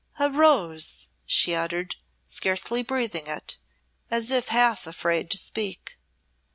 "A rose!" she uttered, scarcely breathing it, as if half afraid to speak.